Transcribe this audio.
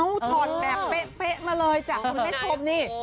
ก็คือผู้ทรแบบเป๊ะมาเลยจากคุณแม่โทษนี่